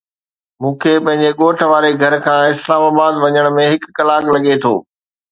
مون کي پنهنجي ڳوٺ واري گهر کان اسلام آباد وڃڻ ۾ هڪ ڪلاڪ لڳي ٿو.